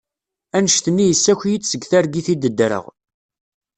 Anect-nni yessaki-yi-d seg targit i d-ddreɣ.